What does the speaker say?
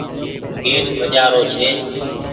گيٽ وآجرو ڇي۔